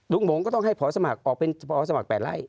หมงก็ต้องให้พอสมัครออกเป็นพอสมัคร๘ไร่